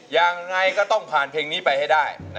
ยังไงก็ต้องผ่านเพลงนี้ไปให้ได้